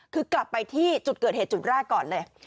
คือกลับไปที่จุดเกิดเหตุจุดแรกก่อนเลย